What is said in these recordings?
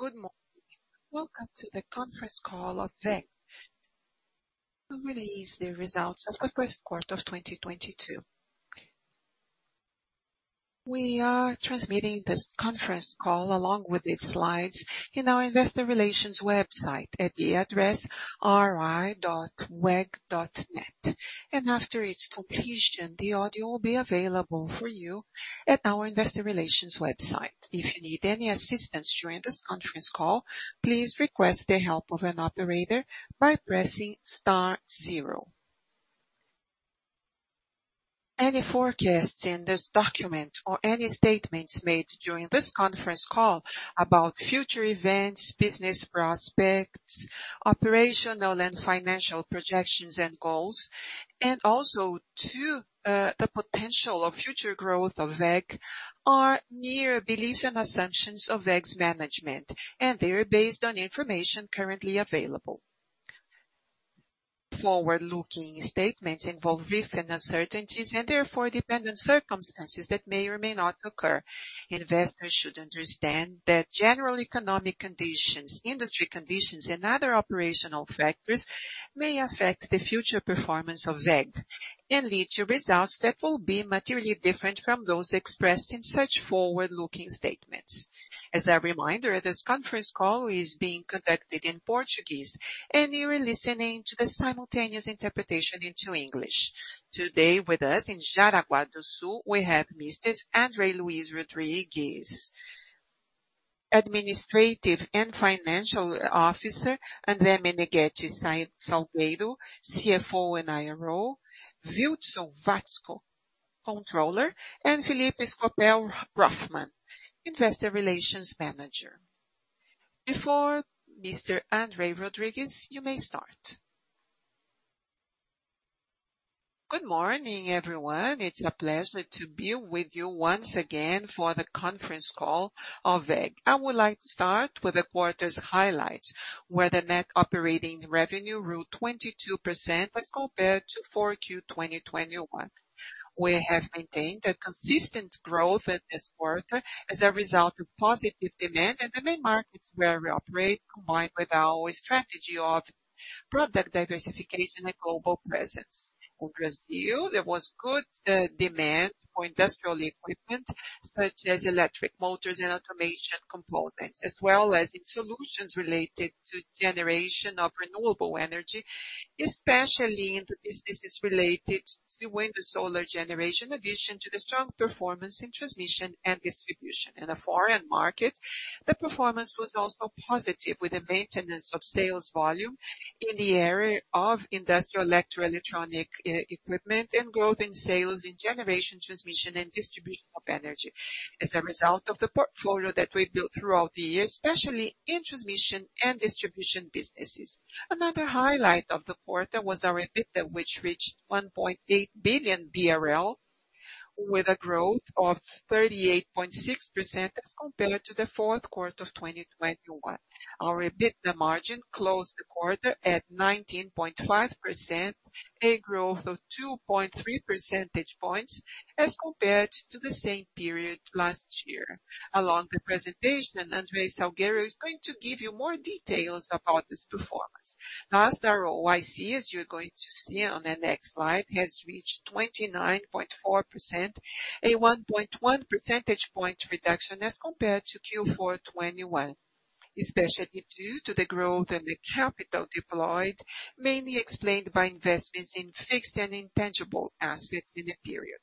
Good morning. Welcome to the conference call of WEG. We release the results of the first quarter of 2022. We are transmitting this conference call along with its slides in our investor relations website at the address ri.weg.net. After its completion, the audio will be available for you at our investor relations website. If you need any assistance during this conference call, please request the help of an operator by pressing star zero. Any forecasts in this document or any statements made during this conference call about future events, business prospects, operational and financial projections and goals, and also to the potential of future growth of WEG are mere beliefs and assumptions of WEG's management, and they are based on information currently available. Forward-looking statements involve risks and uncertainties and therefore dependent circumstances that may or may not occur. Investors should understand that general economic conditions, industry conditions, and other operational factors may affect the future performance of WEG and lead to results that will be materially different from those expressed in such forward-looking statements. As a reminder, this conference call is being conducted in Portuguese, and you are listening to the simultaneous interpretation into English. Today with us in Jaraguá do Sul, we have Mr. André Luís Rodrigues, Administrative and Financial Officer, André Menegueti Salgueiro, CFO and IRO, Wilson Watzko, Controller, and Felipe Scopel Broffman, Investor Relations Manager. Before Mr. André Luís Rodrigues, you may start. Good morning, everyone. It's a pleasure to be with you once again for the conference call of WEG. I would like to start with the quarter's highlights, where the net operating revenue grew 22% as compared to 4Q 2021. We have maintained a consistent growth in this quarter as a result of positive demand in the main markets where we operate, combined with our strategy of product diversification and global presence. In Brazil, there was good demand for industrial equipment such as electric motors and automation components, as well as in solutions related to generation of renewable energy, especially in the businesses related to wind and solar generation, in addition to the strong performance in transmission and distribution. In the foreign market, the performance was also positive with the maintenance of sales volume in the area of industrial electro electronic e-equipment and growth in sales in generation, transmission, and distribution of energy as a result of the portfolio that we've built throughout the year, especially in transmission and distribution businesses. Another highlight of the quarter was our EBITDA, which reached 1.8 billion BRL with a growth of 38.6% as compared to the fourth quarter of 2021. Our EBITDA margin closed the quarter at 19.5%, a growth of 2.3 percentage points as compared to the same period last year. Along the presentation, André Salgueiro is going to give you more details about this performance. The ROIC, as you're going to see on the next slide, has reached 29.4%, a 1.1 percentage point reduction as compared to Q4 2021, especially due to the growth in the capital deployed, mainly explained by investments in fixed and intangible assets in the period.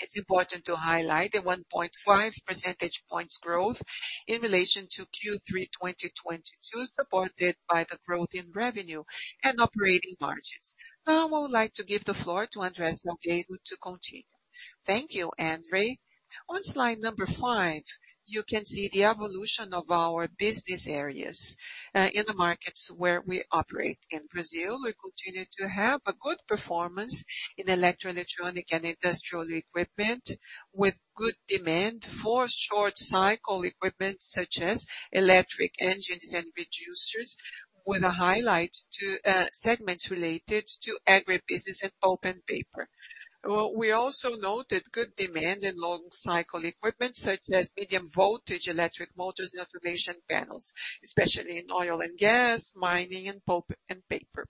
It's important to highlight the 1.5 percentage points growth in relation to Q3 2022, supported by the growth in revenue and operating margins. I would like to give the floor to André Salgueiro to continue. Thank you, André. On slide number five, you can see the evolution of our business areas in the markets where we operate. In Brazil, we continue to have a good performance in electro electronic and industrial equipment with good demand for short-cycle equipment such as electric engines and reducers with a highlight to segments related to agribusiness and pulp and paper. We also noted good demand in long-cycle equipment such as medium voltage electric motors and automation panels, especially in oil and gas, mining, and pulp and paper.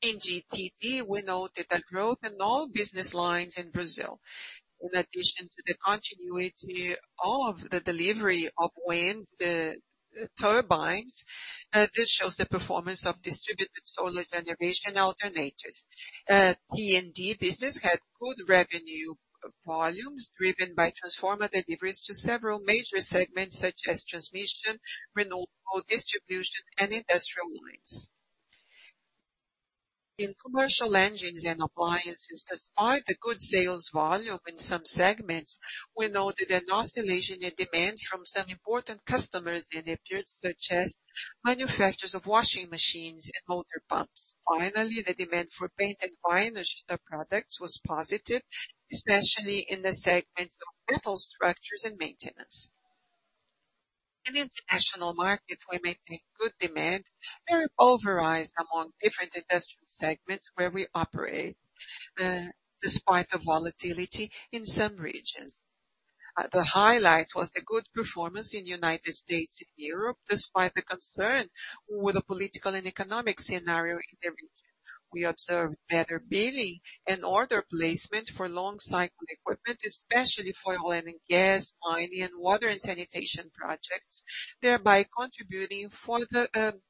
In GTD, we noted a growth in all business lines in Brazil. In addition to the continuity of the delivery of wind turbines, this shows the performance of distributed solar generation alternators. T&D business had good revenue volumes driven by transformer deliveries to several major segments such as transmission, renewable distribution, and industrial lines. In commercial engines and appliances, despite the good sales volume in some segments, we noted an oscillation in demand from some important customers in the period, such as manufacturers of washing machines and motor pumps. Finally, the demand for paint and varnished products was positive, especially in the segment of metal structures and maintenance. In international markets, we maintained good demand, very pulverized among different industrial segments where we operate, despite the volatility in some regions. The highlight was the good performance in United States and Europe, despite the concern with the political and economic scenario in the region. We observed better billing and order placement for long cycle equipment, especially for oil and gas, mining, and water and sanitation projects, thereby contributing for the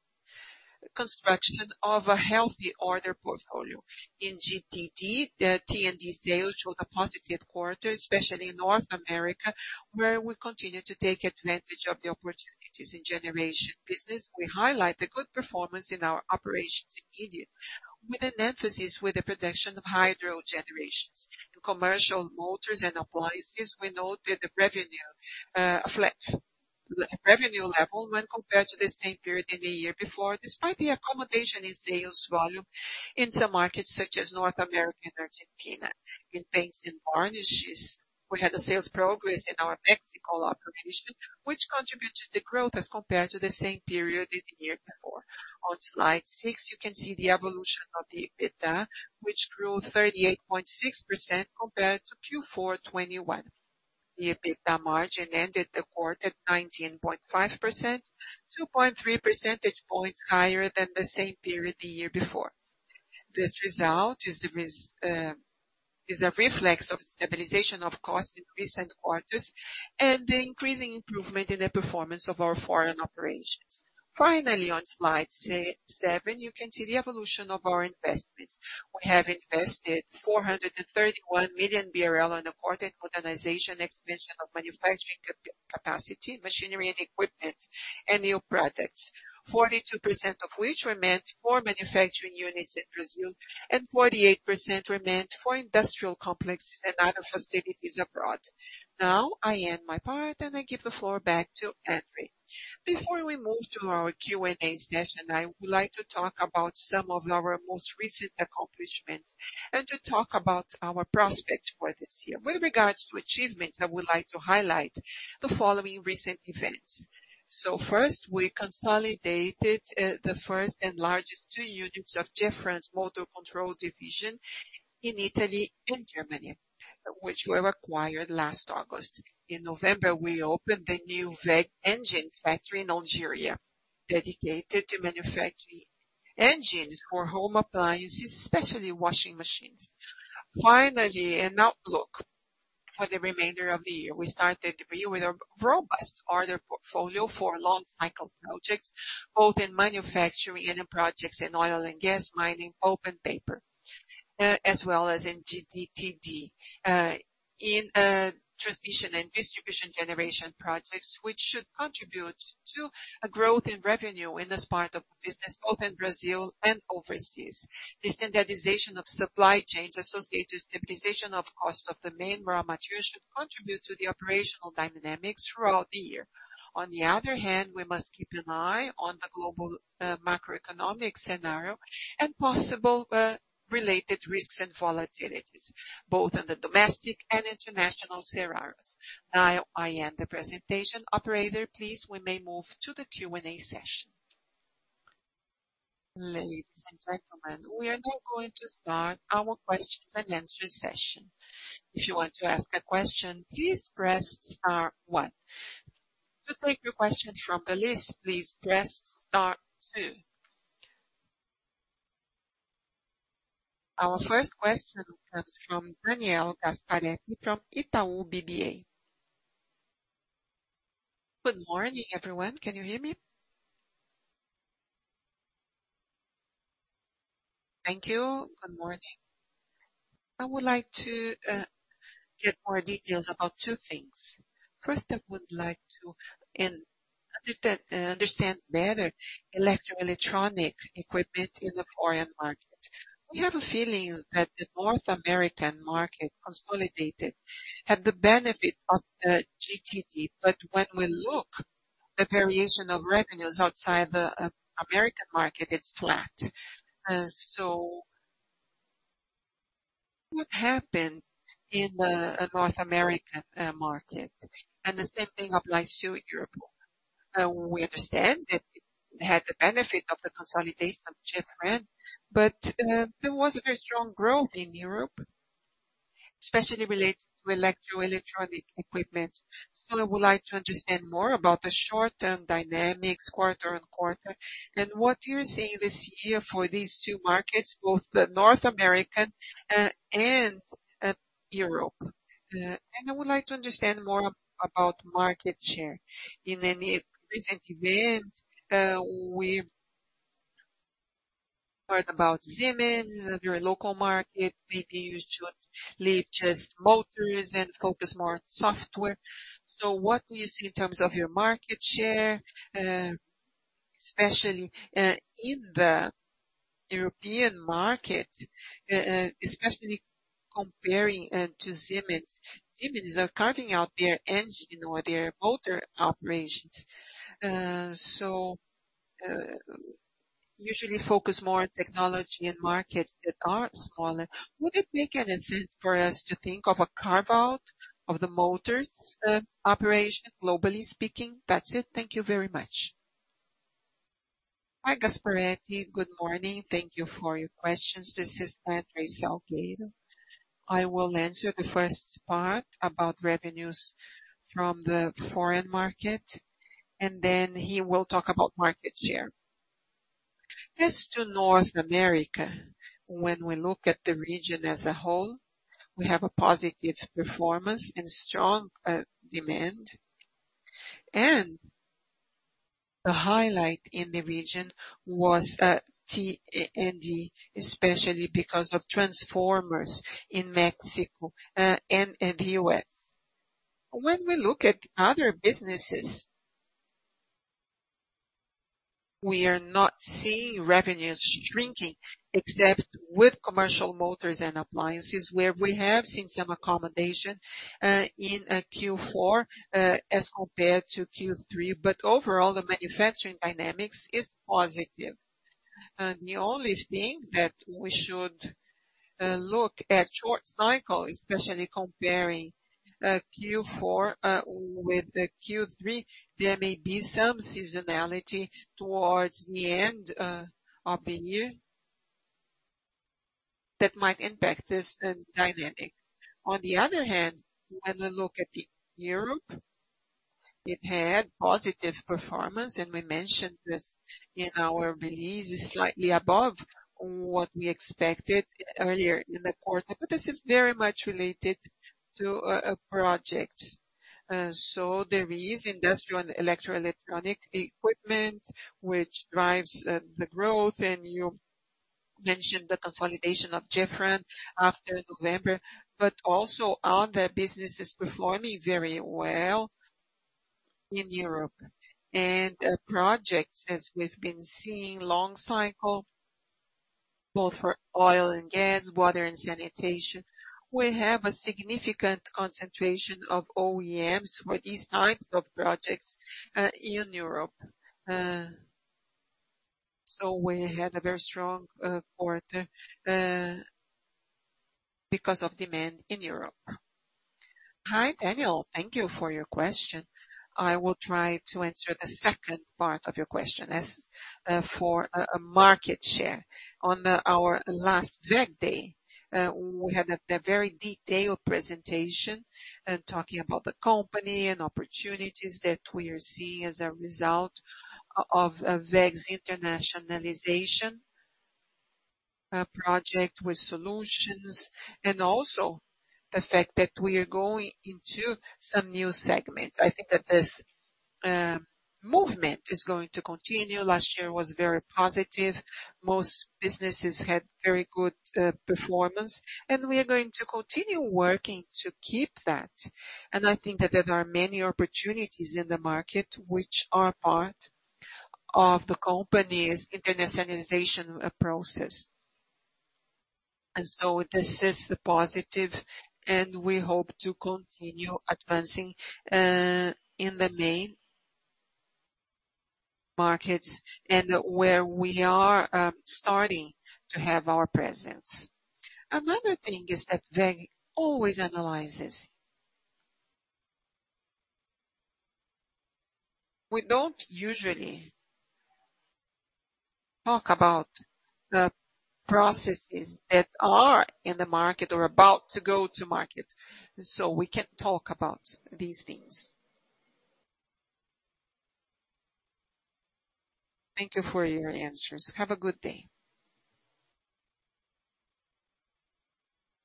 construction of a healthy order portfolio. In GTD, the T&D sales showed a positive quarter, especially in North America, where we continue to take advantage of the opportunities in generation business. We highlight the good performance in our operations in India, with an emphasis with the production of hydro generations. In commercial motors and appliances, we noted the revenue level when compared to the same period in the year before, despite the accommodation in sales volume in some markets such as North America and Argentina. In paints and varnishes, we had a sales progress in our Mexico operation, which contributed to growth as compared to the same period in the year before. On slide six, you can see the evolution of the EBITDA, which grew 38.6% compared to Q4 2021. The EBITDA margin ended the quarter at 19.5%, 2.3 percentage points higher than the same period the year before. This result is a reflex of stabilization of cost in recent quarters and the increasing improvement in the performance of our foreign operations. Finally, on slide seven, you can see the evolution of our investments. We have invested 431 million BRL on the quarter modernization expansion of manufacturing capacity, machinery and equipment, and new products. 42% of which were meant for manufacturing units in Brazil, and 48% were meant for industrial complexes and other facilities abroad. Now, I end my part, and I give the floor back to André. Before we move to our Q&A session, I would like to talk about some of our most recent accomplishments and to talk about our prospects for this year. With regards to achievements, I would like to highlight the following recent events. First, we consolidated the first and largest two units of Gefran's motor control division in Italy and Germany, which were acquired last August. In November, we opened the new WEG engine factory in Algeria, dedicated to manufacturing engines for home appliances, especially washing machines. An outlook for the remainder of the year. We started the year with a robust order portfolio for long cycle projects, both in manufacturing and in projects in oil and gas, mining, pulp and paper, as well as in GTD, in transmission and distribution generation projects, which should contribute to a growth in revenue in this part of the business, both in Brazil and overseas. The standardization of supply chains associated with stabilization of cost of the main raw materials should contribute to the operational dynamics throughout the year. On the other hand, we must keep an eye on the global macroeconomic scenario and possible related risks and volatilities, both in the domestic and international scenarios. Now I end the presentation. Operator, please, we may move to the Q&A session. Ladies and gentlemen, we are now going to start our questions and answers session. If you want to ask a question, please press star one. To take your question from the list, please press star two. Our first question comes from Daniel Gasparete from Itaú BBA. Good morning, everyone. Can you hear me? Thank you. Good morning. I would like to get more details about two things. First, I would like to understand better electro electronic equipment in the foreign market. We have a feeling that the North American market consolidated had the benefit of GTD. When we look the variation of revenues outside the American market, it's flat. What happened in the North America market? The same thing applies to Europe. We understand that it had the benefit of the consolidation of Gefran, there was a very strong growth in Europe, especially related to electro electronic equipment. I would like to understand more about the short-term dynamics quarter-on-quarter and what you're seeing this year for these two markets, both the North American and Europe. I would like to understand more about market share. In a recent event, we heard about Siemens, your local market. Maybe you should leave just motors and focus more on software. What do you see in terms of your market share, especially in the European market, especially comparing to Siemens. Siemens are carving out their engine or their motor operations, usually focus more on technology and markets that are smaller. Would it make any sense for us to think of a carve-out of the motors operation, globally speaking? That's it. Thank you very much. Hi, Gasparete. Good morning. Thank you for your questions. This is André Salgueiro. I will answer the first part about revenues from the foreign market, and then he will talk about market share. As to North America, when we look at the region as a whole, we have a positive performance and strong demand. The highlight in the region was T&E, especially because of transformers in Mexico, and the U.S. When we look at other businesses, we are not seeing revenues shrinking except with commercial motors and appliances, where we have seen some accommodation in Q4 as compared to Q3. Overall, the manufacturing dynamics is positive. The only thing that we should look at short cycle, especially comparing Q4 with the Q3, there may be some seasonality towards the end of the year that might impact this dynamic. On the other hand, when we look at Europe, it had positive performance, and we mentioned this in our releases, slightly above what we expected earlier in the quarter. This is very much related to a project. There is industrial and electro electronic equipment which drives the growth. You mentioned the consolidation of Gefran after November, but also other businesses performing very well in Europe. Projects, as we've been seeing long cycle, both for oil and gas, water and sanitation. We have a significant concentration of OEMs for these types of projects in Europe. We had a very strong quarter because of demand in Europe. Hi, Daniel. Thank you for your question. I will try to answer the second part of your question. As for a market share. On our last WEG Day, we had a very detailed presentation, talking about the company and opportunities that we are seeing as a result of WEG's internationalization project with solutions and also the fact that we are going into some new segments. I think that this movement is going to continue. Last year was very positive. Most businesses had very good performance. We are going to continue working to keep that. I think that there are many opportunities in the market which are part of the company's internationalization process. This is positive and we hope to continue advancing in the main markets and where we are starting to have our presence. Another thing is that WEG always analyzes. We don't usually talk about the processes that are in the market or about to go to market, so we can't talk about these things. Thank you for your answers. Have a good day.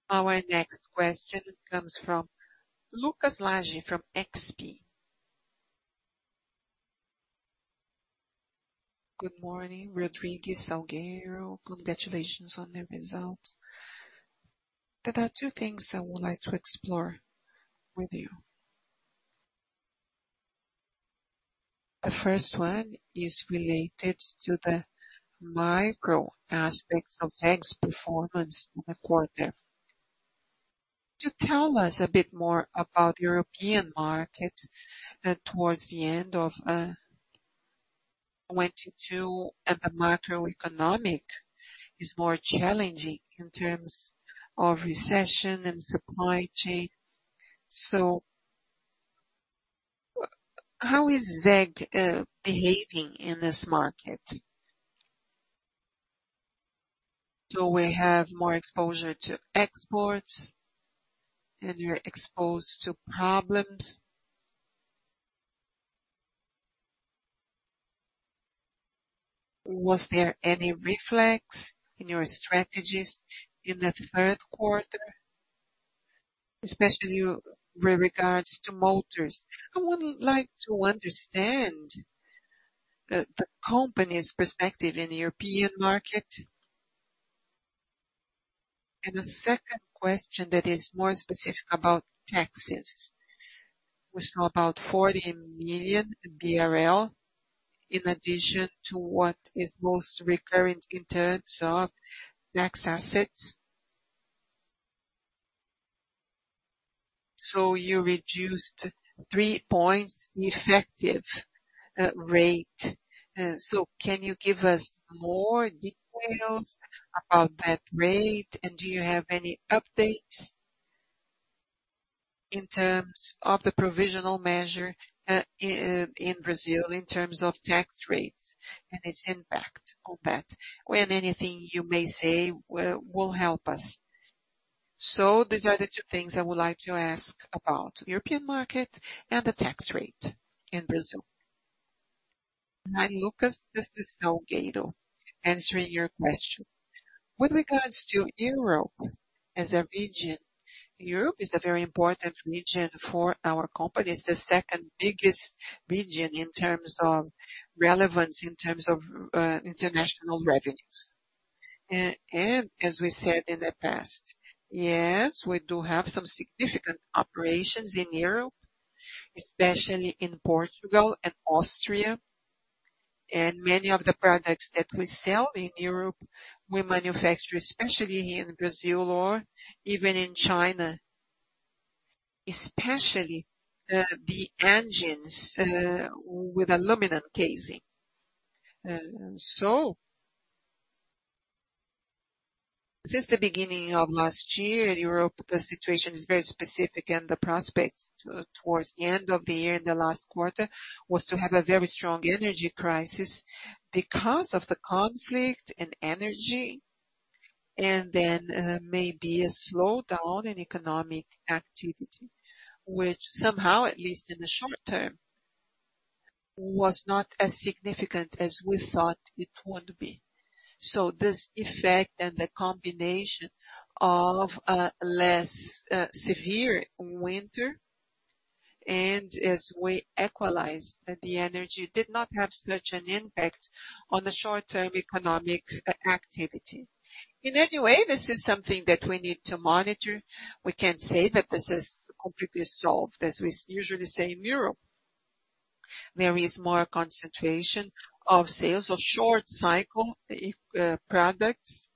Our next question comes from Lucas Laghi from XP. Good morning, Rodrigues Salgueiro. Congratulations on the results. There are two things I would like to explore with you. The first one is related to the micro aspects of WEG's performance in the quarter. Could you tell us a bit more about European market towards the end of 22 and the macroeconomic is more challenging in terms of recession and supply chain. How is WEG behaving in this market? Do we have more exposure to exports? You're exposed to problems. Was there any reflex in your strategies in the third quarter, especially with regards to motors? I would like to understand the company's perspective in European market. The second question that is more specific about taxes. We saw about 40 million BRL in addition to what is most recurrent in terms of tax assets. You reduced three points effective rate. Can you give us more details about that rate? Do you have any updates? In terms of the provisional measure in Brazil in terms of tax rates and its impact on that, anything you may say will help us. These are the two things I would like to ask about European market and the tax rate in Brazil. Hi, Lucas. This is Wilson Watzko answering your question. With regards to Europe as a region, Europe is a very important region for our company. It's the second-biggest region in terms of relevance, in terms of international revenues. As we said in the past, yes, we do have some significant operations in Europe, especially in Portugal and Austria, and many of the products that we sell in Europe we manufacture especially in Brazil or even in China, especially, the engines, with aluminum casing. Since the beginning of last year in Europe, the situation is very specific and the prospect towards the end of the year in the last quarter was to have a very strong energy crisis because of the conflict and energy and then, maybe a slowdown in economic activity, which somehow, at least in the short term, was not as significant as we thought it would be. This effect and the combination of a less severe winter and as we equalize the energy did not have such an impact on the short-term economic activity. In any way, this is something that we need to monitor. We can't say that this is completely solved. As we usually say in Europe, there is more concentration of sales of short cycle products,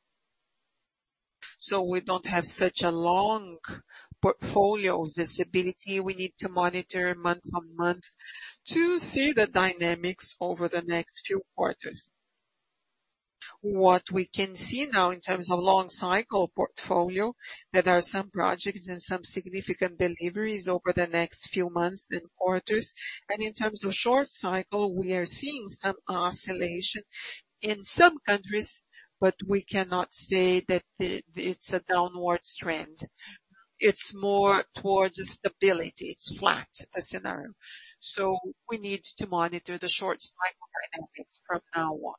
so we don't have such a long portfolio visibility. We need to monitor month-on-month to see the dynamics over the next few quarters. What we can see now in terms of long cycle portfolio, there are some projects and some significant deliveries over the next few months and quarters. In terms of short cycle, we are seeing some oscillation in some countries, but we cannot say that it's a downward trend. It's more towards stability. It's flat, the scenario. We need to monitor the short cycle dynamics from now on.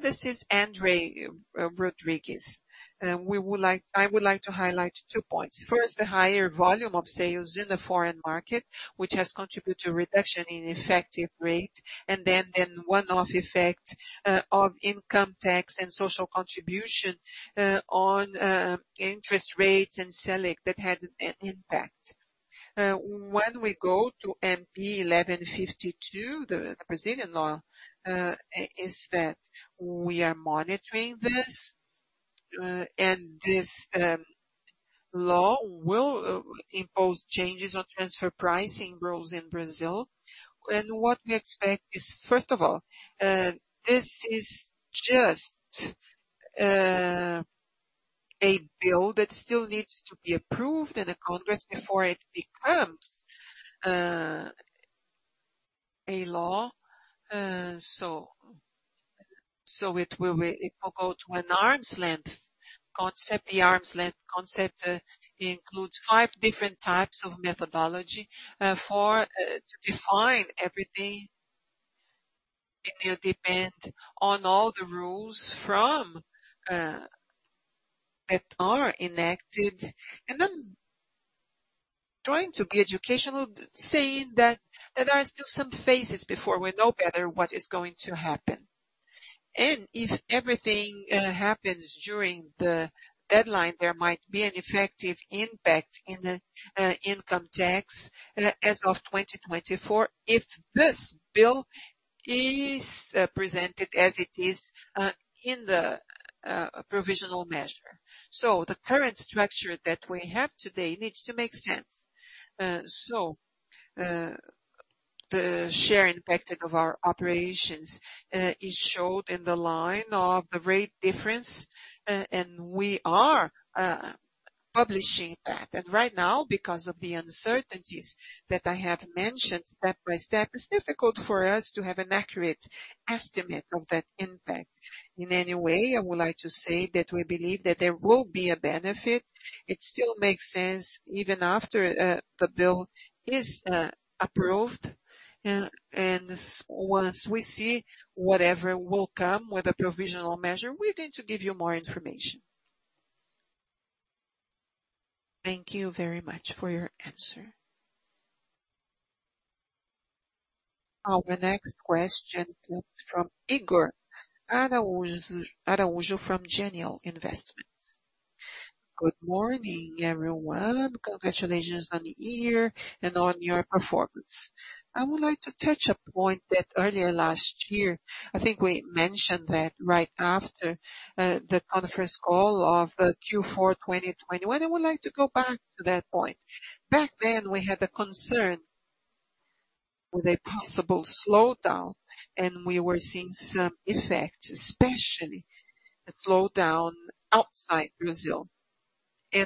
This is André Rodrigues. I would like to highlight two points. First, the higher volume of sales in the foreign market, which has contributed to a reduction in effective rate, then one-off effect of income tax and social contribution on interest rates and Selic that had an impact. When we go to MP 1152, the Brazilian law is that we are monitoring this, and this law will impose changes on transfer pricing rules in Brazil. What we expect is, first of all, this is just a bill that still needs to be approved in a congress before it becomes a law. It will go to an arm's length concept. The arm's length concept includes five different types of methodology for to define everything. It will depend on all the rules from that are enacted. I'm trying to be educational, saying that there are still some phases before we know better what is going to happen. If everything happens during the deadline, there might be an effective impact in the income tax as of 2024, if this bill is presented as it is in the provisional measure. The current structure that we have today needs to make sense. The share impacting of our operations is showed in the line of the rate difference. We are publishing that. Right now, because of the uncertainties that I have mentioned step by step, it's difficult for us to have an accurate estimate of that impact. In any way, I would like to say that we believe that there will be a benefit. It still makes sense even after the bill is approved. Once we see whatever will come with the provisional measure, we're going to give you more information. Thank you very much for your answer. Our next question comes from Igor Araujo from Genial Investimentos. Good morning, everyone. Congratulations on the year and on your performance. I would like to touch a point that earlier last year, I think we mentioned that right after the conference call of Q4 2021. I would like to go back to that point. Back then, we had a concern with a possible slowdown, and we were seeing some effect, especially a slowdown outside Brazil.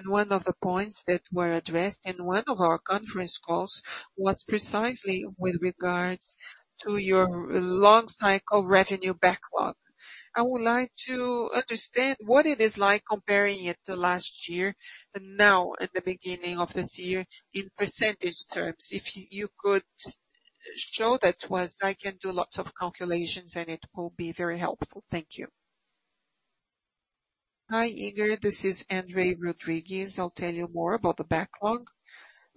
One of the points that were addressed in one of our conference calls was precisely with regards to your long cycle revenue backlog. I would like to understand what it is like comparing it to last year and now at the beginning of this year in percentage. If you could show that to us, I can do lots of calculations, and it will be very helpful. Thank you. Hi, Igor. This is André Rodrigues. I'll tell you more about the backlog.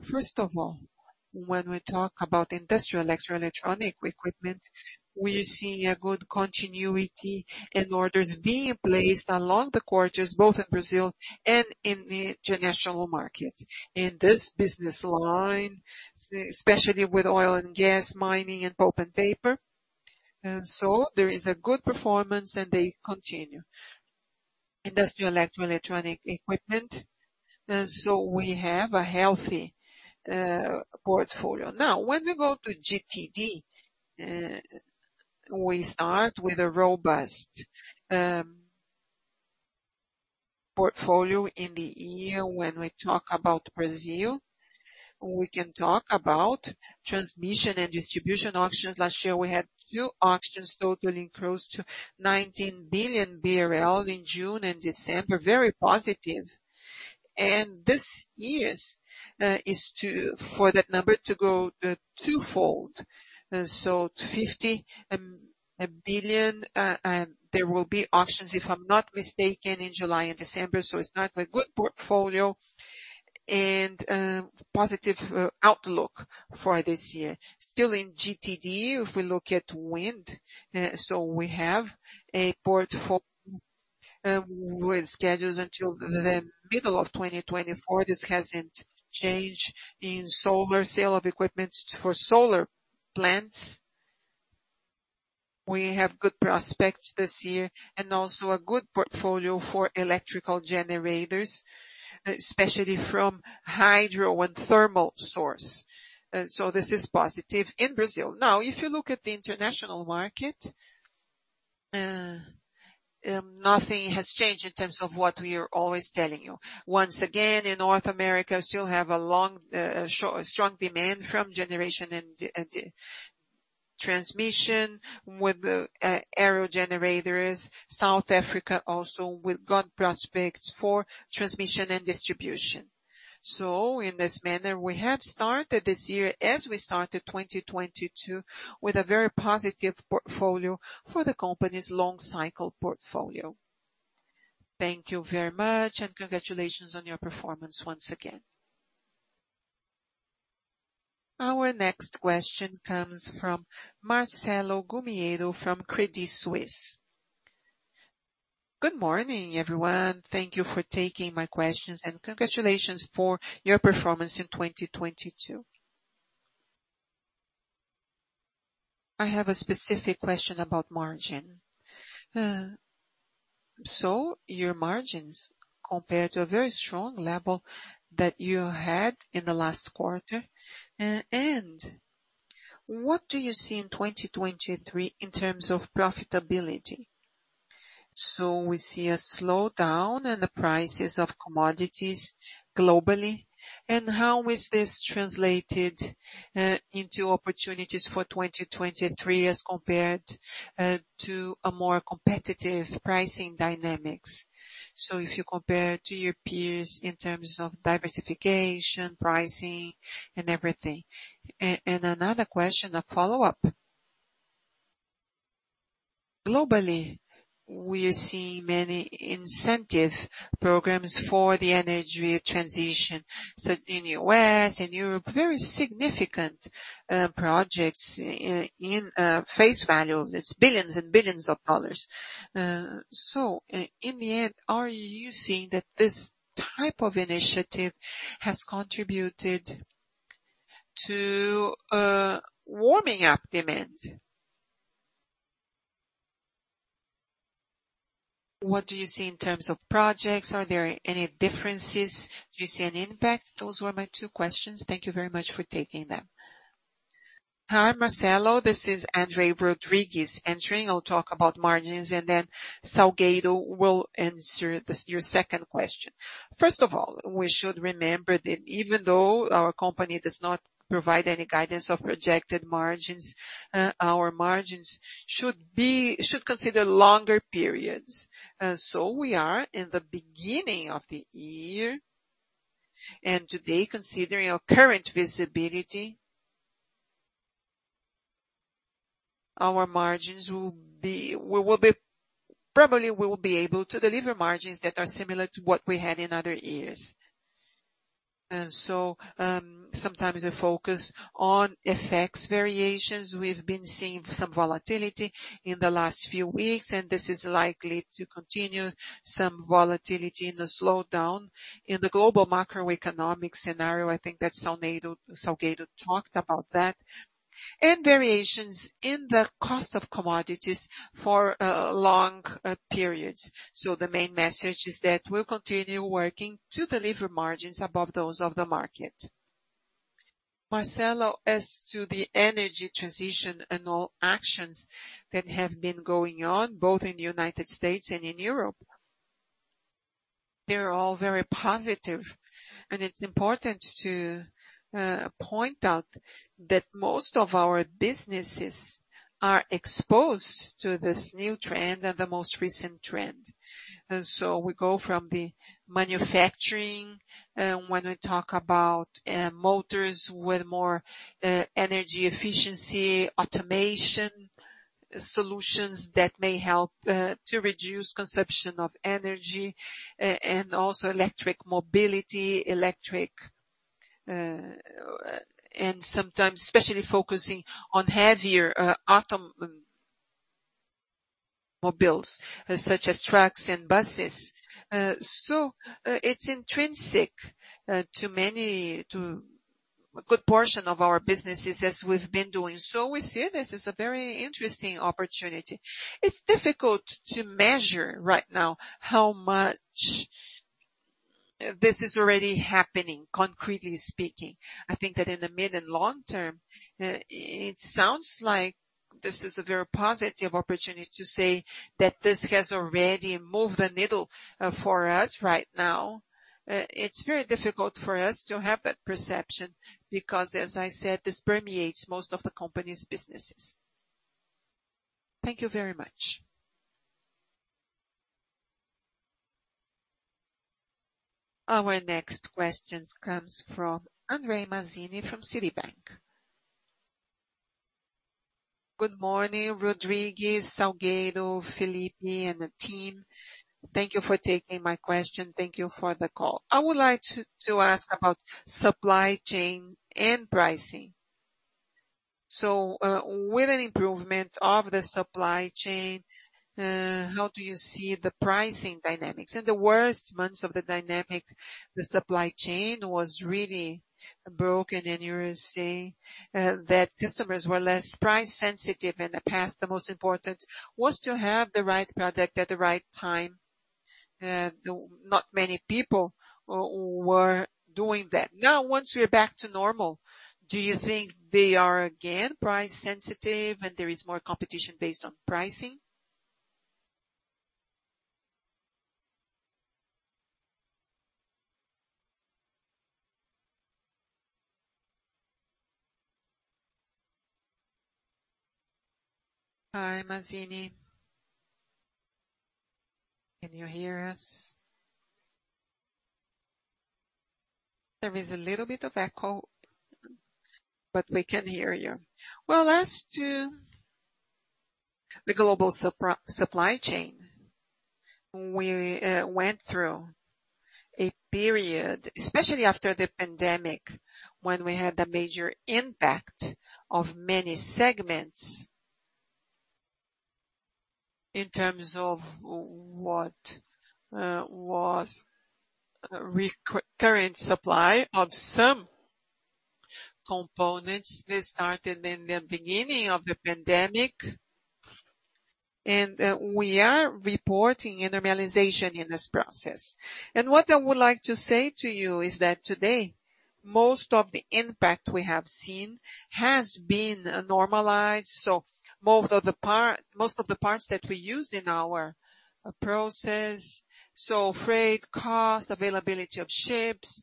First of all, when we talk about industrial electro-electronic equipment, we are seeing a good continuity in orders being placed along the quarters, both in Brazil and in the international market. In this business line, especially with oil and gas, mining and pulp and paper. There is a good performance, and they continue. Industrial electro-electronic equipment. We have a healthy portfolio. When we go to GTD, we start with a robust portfolio in the year when we talk about Brazil. We can talk about transmission and distribution auctions. Last year, we had two auctions totaling close to 19 billion BRL in June and December. Very positive. This year's is for that number to go twofold. 50 billion. There will be auctions, if I'm not mistaken, in July and December. It's not a good portfolio and positive outlook for this year. Still in GTD, if we look at wind, so we have a portfolio with schedules until the middle of 2024. This hasn't changed. In solar, sale of equipment for solar plants, we have good prospects this year and also a good portfolio for electrical generators, especially from hydro and thermal source. This is positive in Brazil. If you look at the international market, nothing has changed in terms of what we are always telling you. In North America, still have a long, strong demand from generation and transmission with aerogenerators. South Africa also with good prospects for transmission and distribution. In this manner, we have started this year as we started 2022, with a very positive portfolio for the company's long cycle portfolio. Thank you very much, and congratulations on your performance once again. Our next question comes from Marcelo Gumiero from Credit Suisse. Good morning, everyone. Thank you for taking my questions, and congratulations for your performance in 2022. I have a specific question about margin. Your margins compared to a very strong level that you had in the last quarter. What do you see in 2023 in terms of profitability? We see a slowdown in the prices of commodities globally, and how is this translated into opportunities for 2023 as compared to a more competitive pricing dynamics? If you compare to your peers in terms of diversification, pricing, and everything. Another question, a follow-up. Globally, we are seeing many incentive programs for the energy transition. In U.S. and Europe, very significant projects in face value. It's billions and billions of dollars. In the end, are you seeing that this type of initiative has contributed to warming up demand? What do you see in terms of projects? Are there any differences? Do you see an impact? Those were my two questions. Thank you very much for taking them. Hi, Marcelo. This is André Rodrigues answering. I'll talk about margins, and then Salgueiro will answer your second question. First of all, we should remember that even though our company does not provide any guidance of projected margins, our margins should consider longer periods. We are in the beginning of the year. Today, considering our current visibility, our margins probably we will be able to deliver margins that are similar to what we had in other years. Sometimes we focus on FX variations. We've been seeing some volatility in the last few weeks, and this is likely to continue. Some volatility in the slowdown in the global macroeconomic scenario. I think that Salgueiro talked about that. Variations in the cost of commodities for long periods. The main message is that we'll continue working to deliver margins above those of the market. Marcelo, as to the energy transition and all actions that have been going on both in the United States and in Europe, they're all very positive. It's important to point out that most of our businesses are exposed to this new trend and the most recent trend. We go from the manufacturing, when we talk about motors with more energy efficiency, automation solutions that may help to reduce consumption of energy, and also electric mobility, electric, and sometimes especially focusing on heavier automobiles such as trucks and buses. It's intrinsic to a good portion of our businesses as we've been doing. We see this as a very interesting opportunity. It's difficult to measure right now how much this is already happening, concretely speaking. I think that in the mid and long term, it sounds like this is a very positive opportunity to say that this has already moved the needle for us right now. It's very difficult for us to have that perception because as I said, this permeates most of the company's businesses. Thank you very much. Our next question comes from André Mazini from Citibank. Good morning, Rodrigues, Salgueiro, Felipe, and the team. Thank you for taking my question. Thank you for the call. I would like to ask about supply chain and pricing. With an improvement of the supply chain, how do you see the pricing dynamics? In the worst months of the dynamic, the supply chain was really broken, and you were saying that customers were less price sensitive. In the past, the most important was to have the right product at the right time. Though not many people were doing that. Now, once we are back to normal, do you think they are again price sensitive and there is more competition based on pricing? Hi, Mazini. Can you hear us? There is a little bit of echo, but we can hear you. Well, as to the global supply chain, we went through a period, especially after the pandemic, when we had a major impact of many segments in terms of what was current supply of some components that started in the beginning of the pandemic. We are reporting a normalization in this process. What I would like to say to you is that today, most of the impact we have seen has been normalized. Most of the parts that we used in our process. Freight costs, availability of ships,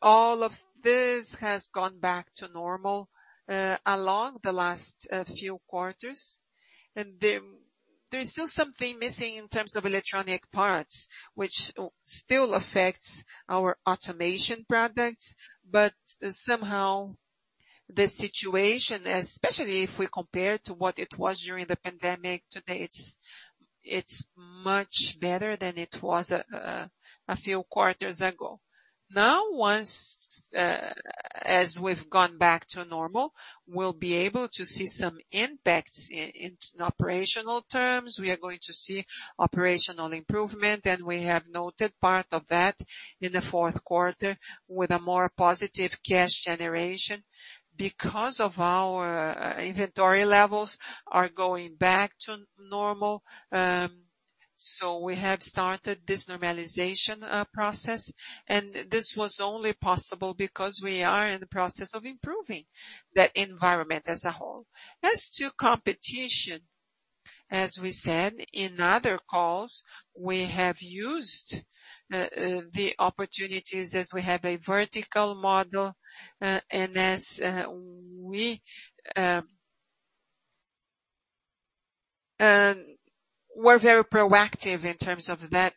all of this has gone back to normal along the last few quarters. There is still something missing in terms of electronic parts, which still affects our automation products. Somehow the situation, especially if we compare to what it was during the Pandemic, today it's much better than it was a few quarters ago. Once as we've gone back to normal, we'll be able to see some impacts in operational terms. We are going to see operational improvement, and we have noted part of that in the fourth quarter with a more positive cash generation because of our inventory levels are going back to normal. We have started this normalization process, and this was only possible because we are in the process of improving that environment as a whole. As to competition, as we said in other calls, we have used the opportunities as we have a vertical model, and as we were very proactive in terms of that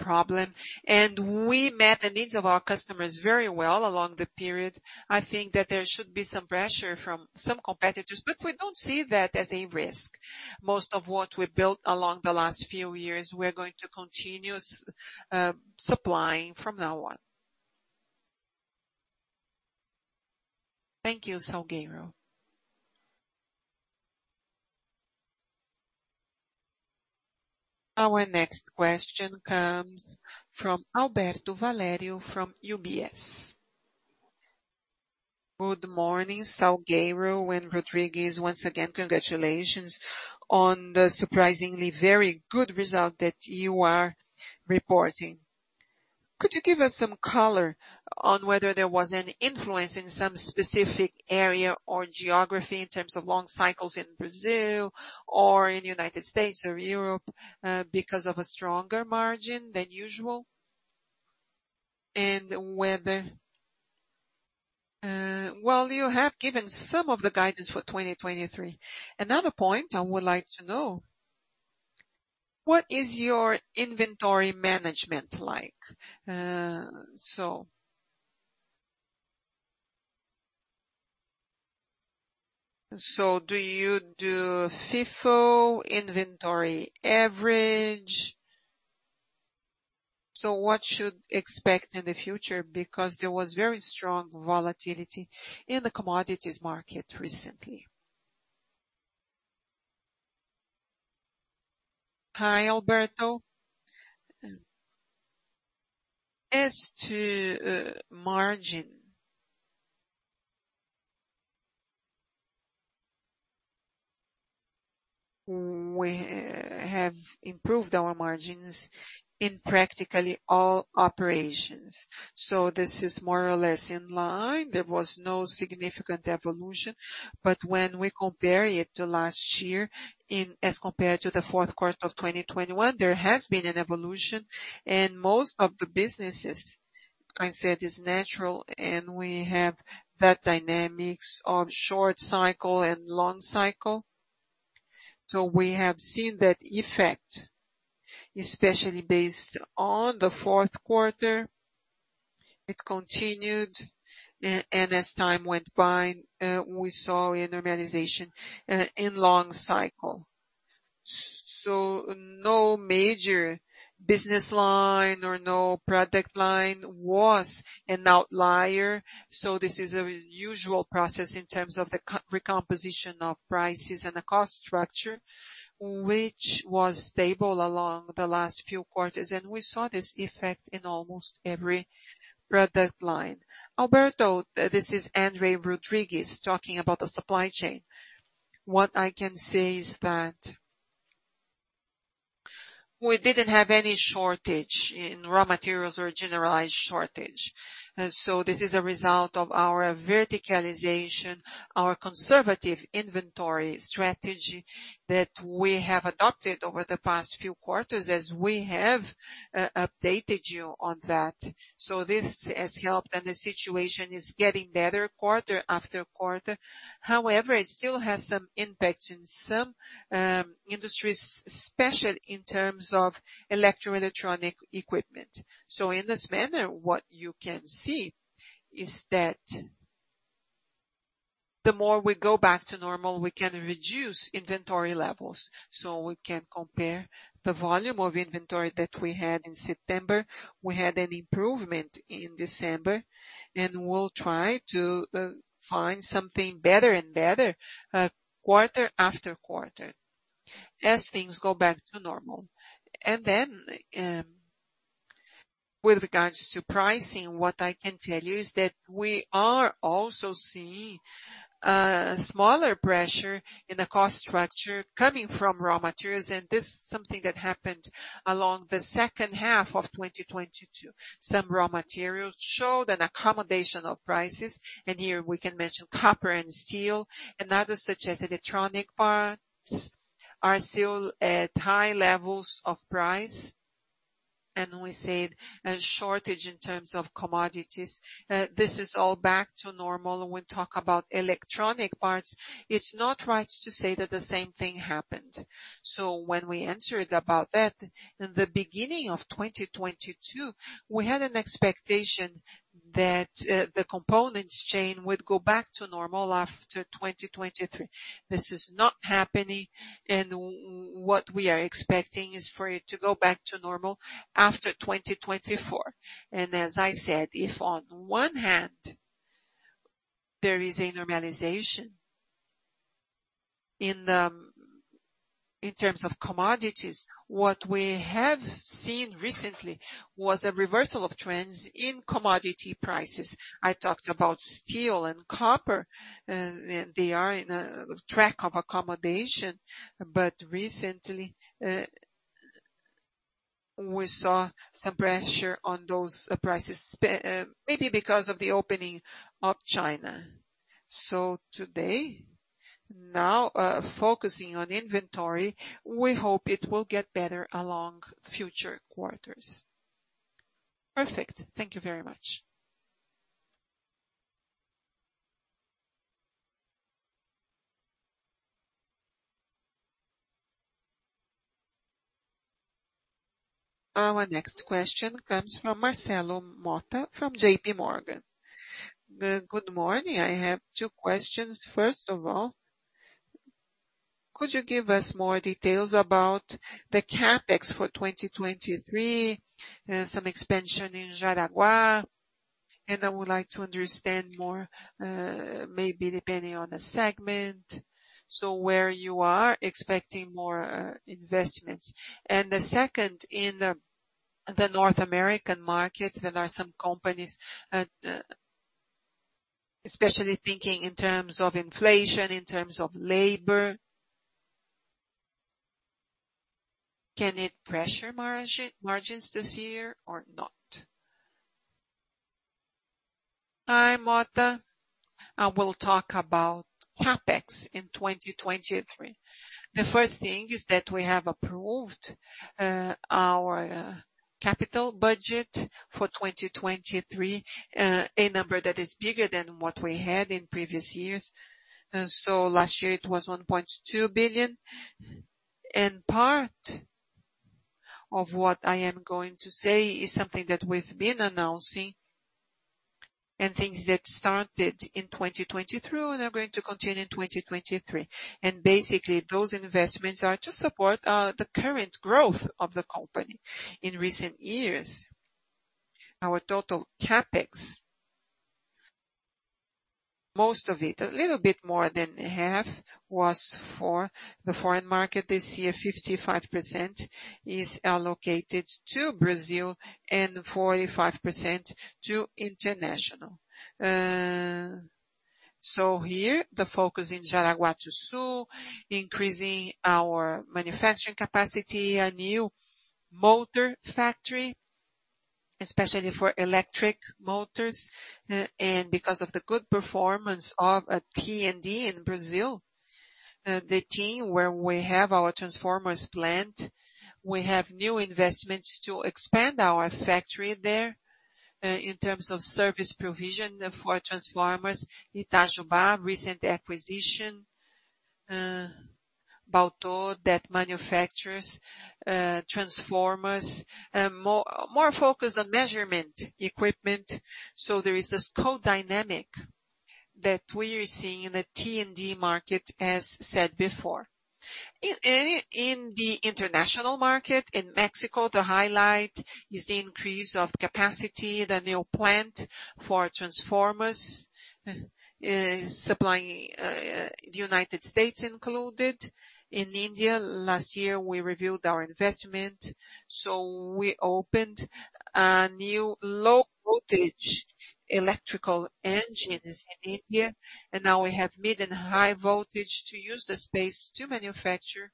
problem, and we met the needs of our customers very well along the period. I think that there should be some pressure from some competitors, but we don't see that as a risk. Most of what we built along the last few years, we're going to continue supplying from now on. Thank you, Salgueiro. Our next question comes from Alberto Valerio from UBS. Good morning, Salgueiro and Rodrigues. Once again, congratulations on the surprisingly very good result that you are reporting. Could you give us some color on whether there was an influence in some specific area or geography in terms of long cycles in Brazil or in the United States or Europe because of a stronger margin than usual? Well, you have given some of the guidance for 2023. Another point I would like to know, what is your inventory management like? So do you do FIFO, inventory average? What should expect in the future because there was very strong volatility in the commodities market recently. Hi, Alberto. As to margin, we have improved our margins in practically all operations. This is more or less in line. There was no significant evolution. When we compare it to last year as compared to the fourth quarter of 2021, there has been an evolution. Most of the businesses, I said, is natural, and we have that dynamics of short cycle and long cycle. We have seen that effect, especially based on the fourth quarter. It continued, and as time went by, we saw a normalization in long cycle. No major business line or no product line was an outlier. This is a usual process in terms of the recomposition of prices and the cost structure, which was stable along the last few quarters. We saw this effect in almost every product line. Alberto, this is André Rodrigues talking about the supply chain. What I can say is that we didn't have any shortage in raw materials or generalized shortage. This is a result of our verticalization, our conservative inventory strategy that we have adopted over the past few quarters as we have updated you on that. This has helped and the situation is getting better quarter after quarter. However, it still has some impact in some industries, especially in terms of electroelectronic equipment. In this manner, what you can see is that the more we go back to normal, we can reduce inventory levels. We can compare the volume of inventory that we had in September. We had an improvement in December, and we'll try to find something better and better quarter after quarter as things go back to normal. With regards to pricing, what I can tell you is that we are also seeing smaller pressure in the cost structure coming from raw materials. This is something that happened along the second half of 2022. Some raw materials showed an accommodation of prices, and here we can mention copper and steel. Others, such as electronic parts, are still at high levels of price. We said a shortage in terms of commodities. This is all back to normal. When we talk about electronic parts, it's not right to say that the same thing happened. When we answered about that, in the beginning of 2022, we had an expectation that the components chain would go back to normal after 2023. This is not happening, what we are expecting is for it to go back to normal after 2024. As I said, if on one hand there is a normalization in terms of commodities, what we have seen recently was a reversal of trends in commodity prices. I talked about steel and copper, they are in a track of accommodation. Recently, we saw some pressure on those prices, maybe because of the opening of China. Today, now, focusing on inventory, we hope it will get better along future quarters. Perfect. Thank you very much. Our next question comes from Marcelo Motta from JPMorgan. Good morning. I have two questions. First of all, could you give us more details about the CapEx for 2023? Some expansion in Jaraguá. I would like to understand more, maybe depending on the segment. Where you are expecting more investments. The second, in the North American market, there are some companies, especially thinking in terms of inflation, in terms of labor. Can it pressure margins this year or not? Hi, Martha. I will talk about CapEx in 2023. The first thing is that we have approved our capital budget for 2023, a number that is bigger than what we had in previous years. Last year it was 1.2 billion. Part of what I am going to say is something that we've been announcing and things that started in 2023, and are going to continue in 2023. Basically, those investments are to support the current growth of the company. In recent years, our total CapEx, most of it, a little bit more than half, was for the foreign market. This year, 55% is allocated to Brazil and 45% to international. Here the focus in Jaraguá do Sul, increasing our manufacturing capacity, a new motor factory, especially for electric motors. Because of the good performance of T&D in Brazil, the team where we have our transformers plant. We have new investments to expand our factory there, in terms of service provision for transformers. Itajubá, recent acquisition, Balteau that manufactures transformers. More focused on measurement equipment. There is this co-dynamic that we are seeing in the T&D market, as said before. In the international market, in Mexico, the highlight is the increase of capacity. The new plant for transformers is supplying the United States included. In India last year, we reviewed our investment, so we opened a new low voltage electrical engines in India, and now we have mid and high voltage to use the space to manufacture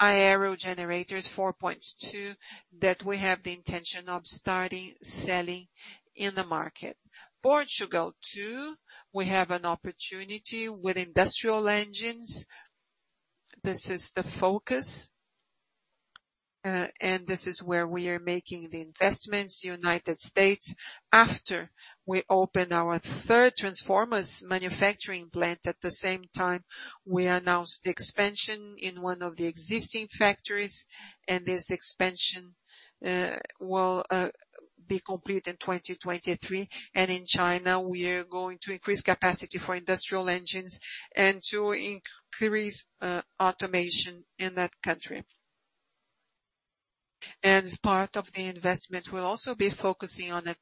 aero generators 4.2, that we have the intention of starting selling in the market. Portugal too, we have an opportunity with industrial engines. This is the focus, and this is where we are making the investments. United States, after we open our third transformers manufacturing plant, at the same time, we announced expansion in one of the existing factories, and this expansion will be complete in 2023. In China, we are going to increase capacity for industrial engines and to increase automation in that country. Part of the investment will also be focusing on a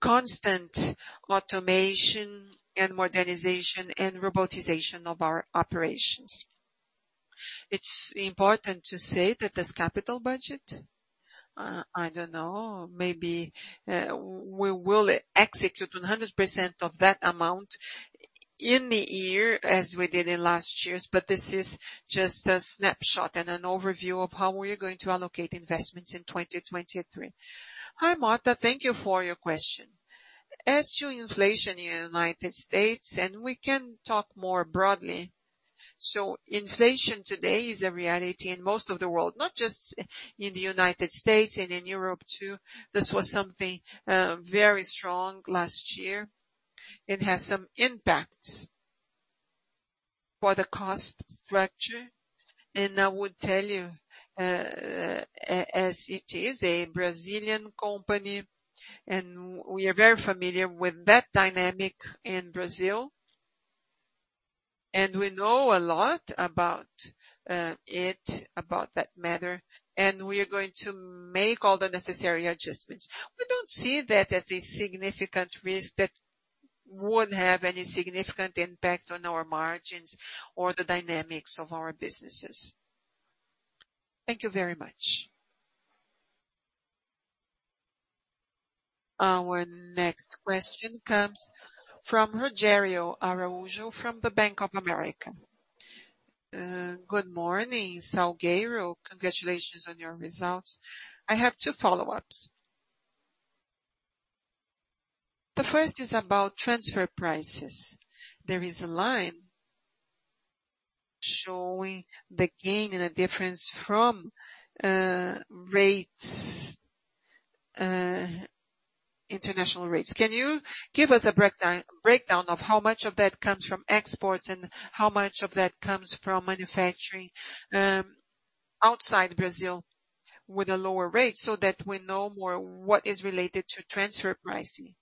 constant automation and modernization and robotization of our operations. It's important to say that this capital budget, I don't know, maybe, we will execute 100% of that amount in the year as we did in last year's. This is just a snapshot and an overview of how we are going to allocate investments in 2023. Hi, Martha, thank you for your question. As to inflation in the United States, we can talk more broadly. Inflation today is a reality in most of the world, not just in the United States and in Europe too. This was something very strong last year. It has some impacts for the cost structure. I would tell you, as it is a Brazilian company, we are very familiar with that dynamic in Brazil, we know a lot about it, about that matter, we are going to make all the necessary adjustments. We don't see that as a significant risk that would have any significant impact on our margins or the dynamics of our businesses. Thank you very much. Our next question comes from Rogério Araújo from the Bank of America. Good morning, Salgueiro. Congratulations on your results. I have two follow-ups. The first is about transfer prices. There is a line showing the gain and the difference from rates, international rates. Can you give us a breakdown of how much of that comes from exports and how much of that comes from manufacturing outside Brazil with a lower rate, so that we know more what is related to transfer pricing?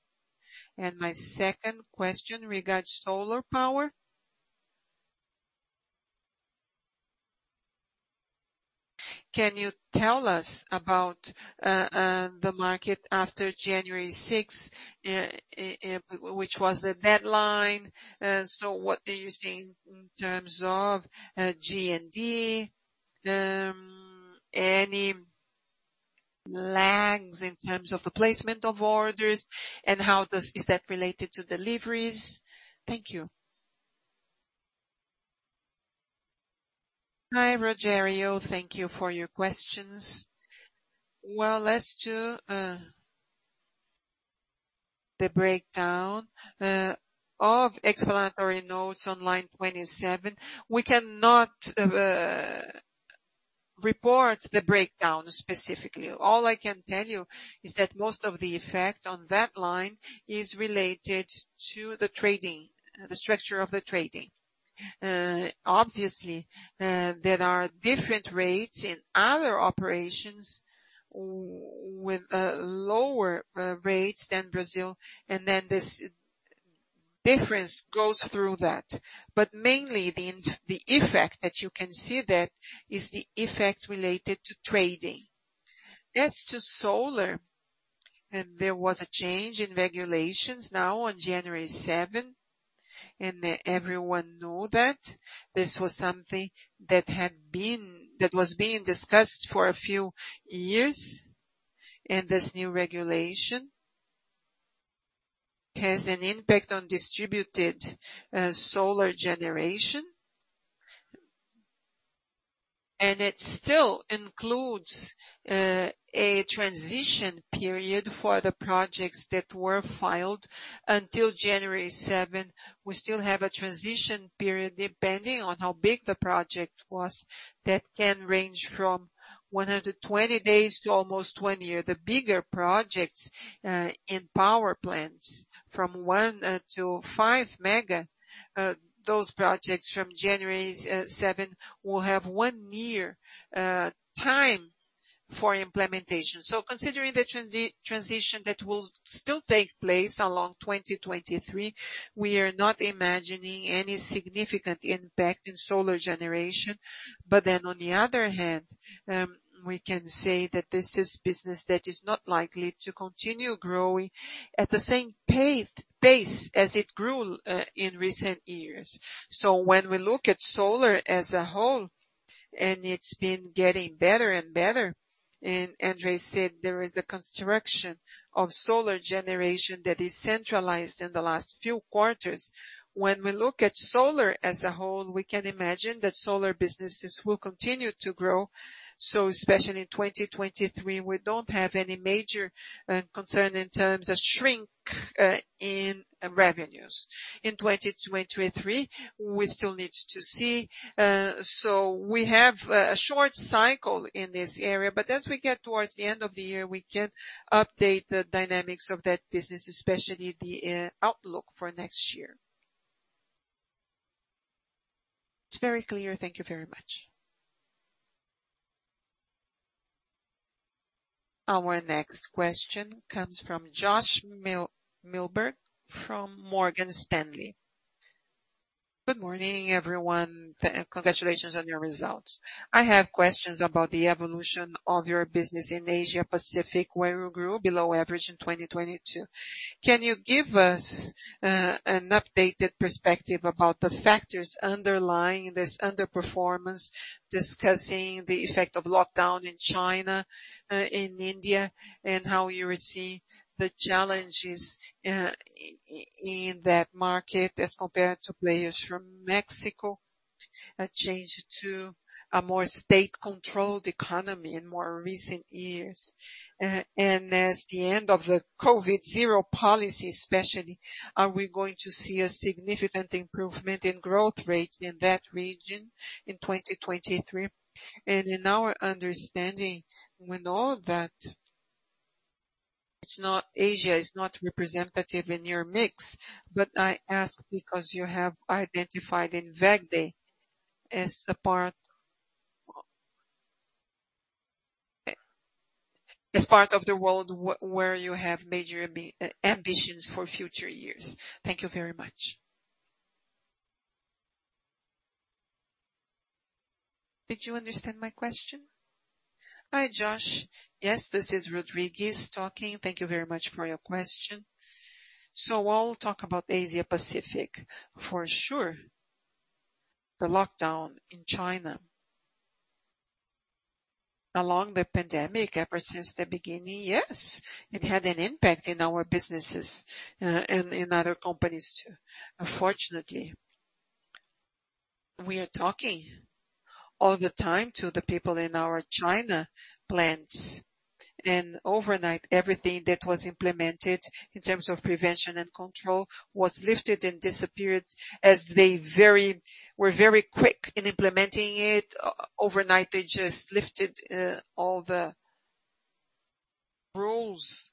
My second question regards solar power. Can you tell us about the market after January 6th, which was the deadline. What are you seeing in terms of GTD? Any lags in terms of the placement of orders and how is that related to deliveries? Thank you. Hi, Rogério. Thank you for your questions. Let's do the breakdown. Of explanatory notes on line 27, we cannot report the breakdown specifically. All I can tell you is that most of the effect on that line is related to the trading, the structure of the trading. Obviously, there are different rates in other operations with lower rates than Brazil, and then this difference goes through that. Mainly the effect that you can see that is the effect related to trading. As to solar, there was a change in regulations now on January 7th, and everyone knows that this was something that was being discussed for a few years. This new regulation has an impact on distributed solar generation. It still includes a transition period for the projects that were filed until January 7th. We still have a transition period, depending on how big the project was. That can range from 120 days to almost 20 years. The bigger projects in power plants from 1 to 5 MW, those projects from January 7th will have one year time for implementation. Considering the transition that will still take place along 2023, we are not imagining any significant impact in solar generation. On the other hand, we can say that this is business that is not likely to continue growing at the same pace as it grew in recent years. When we look at solar as a whole, and it's been getting better and better, and André said there is a construction of solar generation that is centralized in the last few quarters. When we look at solar as a whole, we can imagine that solar businesses will continue to grow. Especially in 2023, we don't have any major concern in terms of shrink in revenues. In 2023, we still need to see. We have a short cycle in this area, but as we get towards the end of the year, we can update the dynamics of that business, especially the outlook for next year. It's very clear. Thank you very much. Our next question comes from Josh Milberg, from Morgan Stanley. Good morning, everyone. Congratulations on your results. I have questions about the evolution of your business in Asia-Pacific, where you grew below average in 2022. Can you give us an updated perspective about the factors underlying this underperformance, discussing the effect of lockdown in China, in India, and how you receive the challenges in that market as compared to players from Mexico? A change to a more state-controlled economy in more recent years. As the end of the COVID-Zero policy especially, are we going to see a significant improvement in growth rates in that region in 2023? In our understanding, we know that Asia is not representative in your mix, but I ask because you have identified in WEG as part of the world where you have major ambitions for future years. Thank you very much. Did you understand my question? Hi, Josh. Yes, this is Rodrigues talking. Thank you very much for your question. I'll talk about Asia-Pacific for sure. The lockdown in China. Along the pandemic, ever since the beginning, yes, it had an impact in our businesses and in other companies, too. Unfortunately, we are talking all the time to the people in our China plants, and overnight, everything that was implemented in terms of prevention and control was lifted and disappeared as they were very quick in implementing it. Overnight, they just lifted all the rules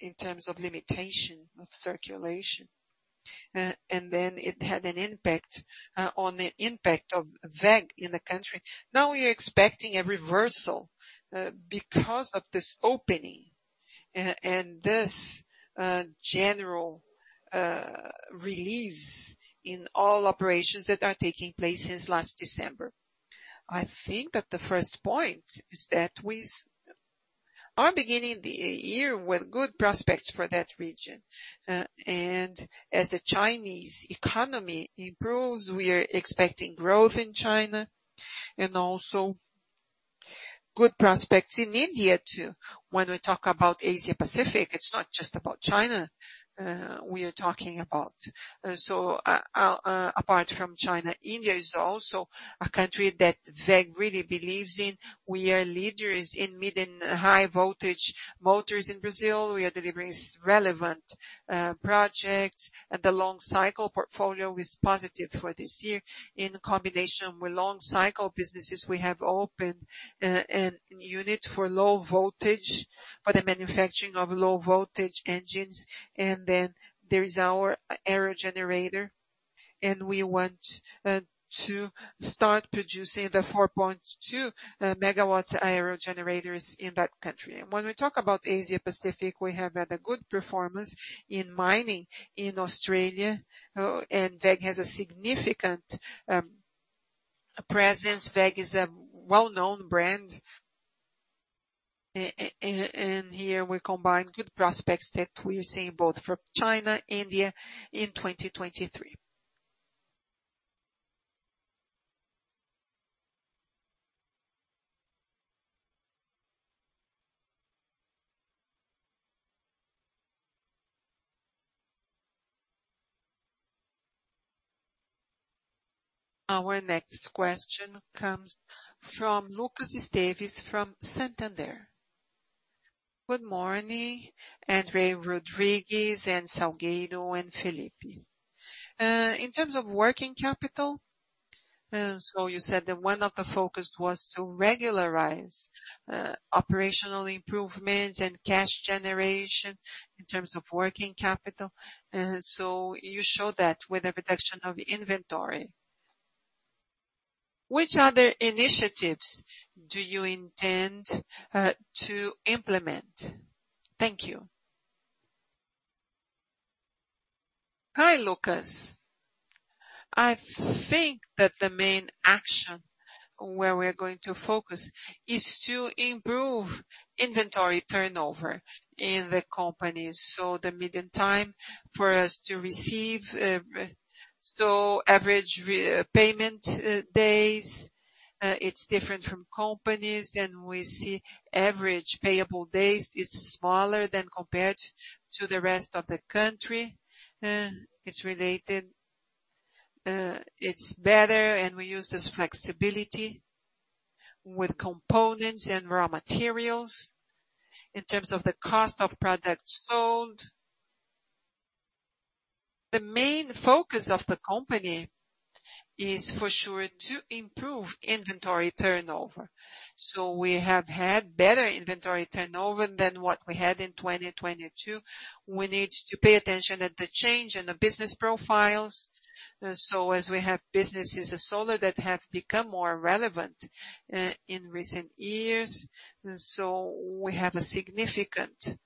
in terms of limitation of circulation. It had an impact on the impact of WEG in the country. Now we are expecting a reversal because of this opening and this general release in all operations that are taking place since last December. I think that the first point is that we are beginning the year with good prospects for that region. As the Chinese economy improves, we are expecting growth in China and also good prospects in India too. When we talk about Asia Pacific, it's not just about China, we are talking about. Apart from China, India is also a country that WEG really believes in. We are leaders in mid and high voltage motors in Brazil. We are delivering relevant projects, and the long cycle portfolio is positive for this year. In combination with long cycle businesses, we have opened an unit for low voltage for the manufacturing of low voltage engines. There is our aerogenerator, and we want to start producing the 4.2 MW aerogenerators in that country. When we talk about Asia Pacific, we have had a good performance in mining in Australia, and WEG has a significant presence. WEG is a well-known brand. Here we combine good prospects that we're seeing both from China, India in 2023. Our next question comes from Lucas Esteves, from Santander. Good morning, André Rodrigues and Salgueiro and Felipe. In terms of working capital, you said that one of the focus was to regularize operational improvements and cash generation in terms of working capital. You showed that with the reduction of inventory. Which other initiatives do you intend to implement? Thank you. Hi, Lucas. I think that the main action where we're going to focus is to improve inventory turnover in the company. The median time for us to receive payment days, it's different from companies than we see. Average payable days is smaller than compared to the rest of the country. It's related. It's better, and we use this flexibility with components and raw materials. In terms of the cost of products sold. The main focus of the company is for sure to improve inventory turnover. We have had better inventory turnover than what we had in 2022. We need to pay attention at the change in the business profiles. As we have businesses of solar that have become more relevant in recent years. We have a significant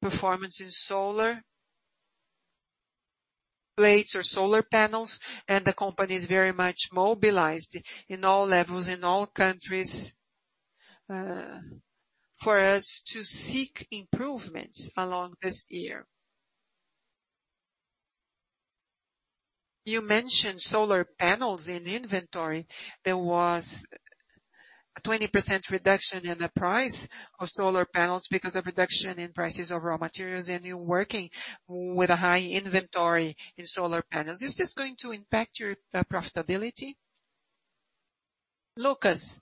performance in solar plates or solar panels, and the company is very much mobilized in all levels, in all countries, for us to seek improvements along this year. You mentioned solar panels in inventory. There was 20% reduction in the price of solar panels because of reduction in prices of raw materials, and you're working with a high inventory in solar panels. Is this going to impact your profitability, Lucas?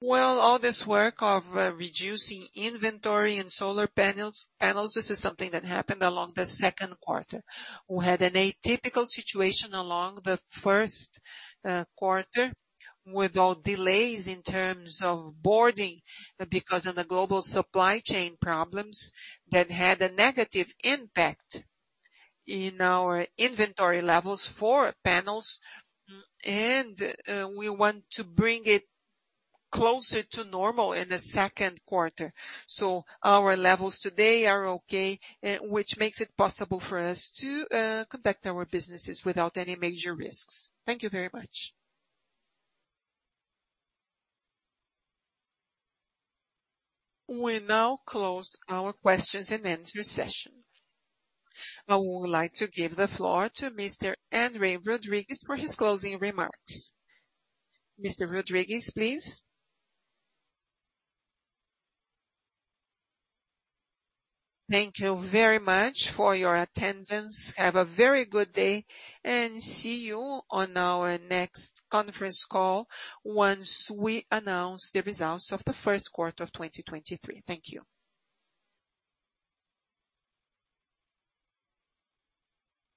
Well, all this work of reducing inventory in solar panels, this is something that happened along the second quarter. We had an atypical situation along the first quarter with all delays in terms of boarding because of the global supply chain problems that had a negative impact in our inventory levels for panels. We want to bring it closer to normal in the second quarter. Our levels today are okay, which makes it possible for us to conduct our businesses without any major risks. Thank you very much. We now close our questions and answer session. I would like to give the floor to Mr. André Rodrigues for his closing remarks. Mr. Rodrigues, please. Thank you very much for your attendance. Have a very good day, and see you on our next conference call once we announce the results of the first quarter of 2023. Thank you.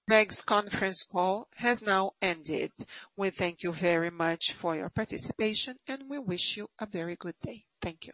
WEG's conference call has now ended. We thank you very much for your participation, and we wish you a very good day. Thank you.